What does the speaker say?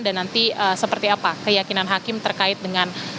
dan nanti seperti apa keyakinan hakim terkait dengan